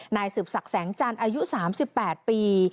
นายสืบศักดิ์แสงจันทร์อายุ๓๘ปี